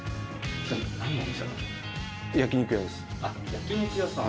焼き肉屋さん。